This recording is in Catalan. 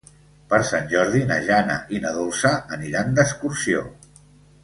Per Sant Jordi na Jana i na Dolça aniran d'excursió.